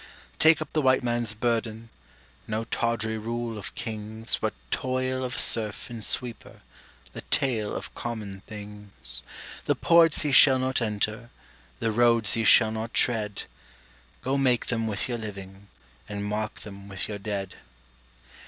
Take up the White Man's burden No tawdry rule of kings, But toil of serf and sweeper The tale of common things. The ports ye shall not enter, The roads ye shall not tread, Go make them with your living, And mark them with your dead.